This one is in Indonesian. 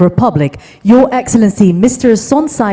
pemerintah pemerintah pemerintah lau